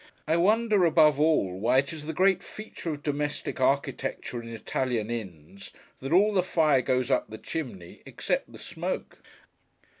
I wonder, above all, why it is the great feature of domestic architecture in Italian inns, that all the fire goes up the chimney, except the smoke!